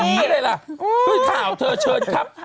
ไม่ได้ล่ะข่าวเธอเชิญครับ